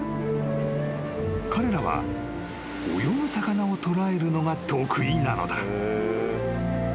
［彼らは泳ぐ魚を捕らえるのが得意なのだ］